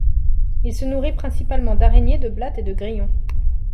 Il se nourrit principalement d'araignées, de blattes et de grillons.